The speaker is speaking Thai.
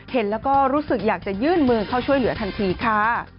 เห็นแล้วก็รู้สึกอยากจะยื่นมือเข้าช่วยเหลือทันทีค่ะ